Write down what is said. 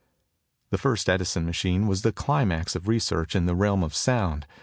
The first Edison machine was the climax of research in the realm of sound.